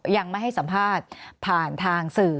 ยังไม่ให้สัมภาษณ์ผ่านทางสื่อ